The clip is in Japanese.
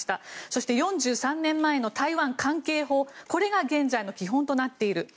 そして、４３年前の台湾関係法これが現在の基本となっている。